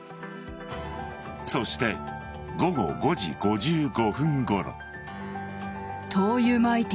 そして午後５時５５分ごろ。